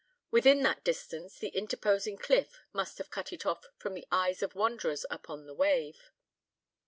Within that distance, the interposing cliff must have cut it off from the eyes of wanderers upon the wave.